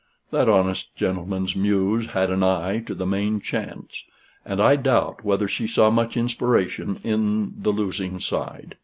That honest gentleman's muse had an eye to the main chance; and I doubt whether she saw much inspiration in the losing side.